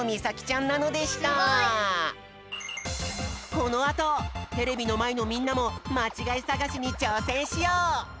このあとテレビのまえのみんなもまちがいさがしにちょうせんしよう！